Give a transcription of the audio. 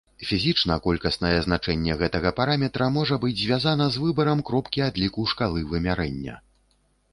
Фізічна колькаснае значэнне гэтага параметра можа быць звязана з выбарам кропкі адліку шкалы вымярэння.